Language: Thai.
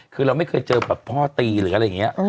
คือเราไม่เคยเจอแบบพ่อตีหรืออะไรอย่างนี้